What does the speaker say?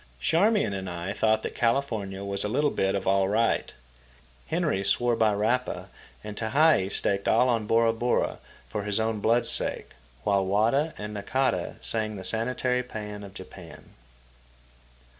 Charmian and I thought that California was a little bit of all right. Henry swore by Rapa, and Tehei staked all on Bora Bora for his own blood's sake; while Wada and Nakata sang the sanitary pæan of Japan.